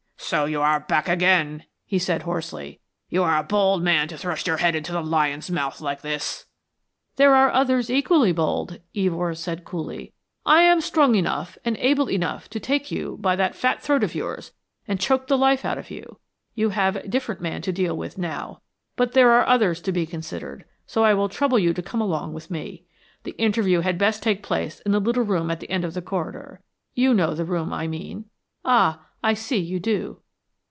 "So you are back again," he said hoarsely. "You are a bold man to thrust your head into the lion's mouth like this." "There are others equally bold," Evors said, coolly. "I am strong enough and able enough to take you by that fat throat of yours and choke the life out of you. You have a different man to deal with now but there are others to be considered, so I will trouble you to come along with me. The interview had best take place in the little room at the end of the corridor. You know the room I mean. Ah, I see you do."